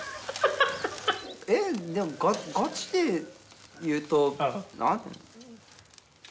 えっでもガチで言うと。